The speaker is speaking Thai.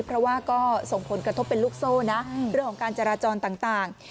เพราะว่าก็ส่งผลกระทบเป็นลูกโซ่นะเรื่องของการจราจรต่าง